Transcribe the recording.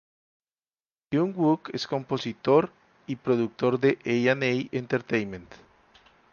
Hyun Wook es compositor y productor de AnA Entertainment.